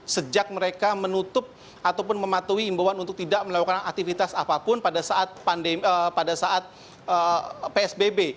sejak mereka menutup ataupun mematuhi imbauan untuk tidak melakukan aktivitas apapun pada saat psbb